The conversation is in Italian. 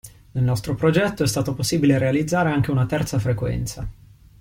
Nel nostro progetto è stato possibile realizzare anche una terza frequenza.